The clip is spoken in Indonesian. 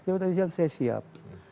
dia sudah siap